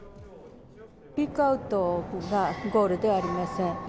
ピークアウトがゴールではありません。